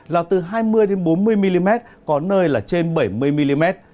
là từ hai mươi bốn mươi mm có nơi là trên bảy mươi mm